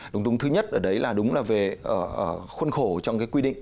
đúng tung thứ nhất ở đấy là đúng là về khuôn khổ trong cái quy định